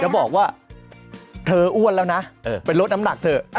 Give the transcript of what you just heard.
แล้วบอกว่าเธออ้วนแล้วนะไปลดน้ำหนักเถอะ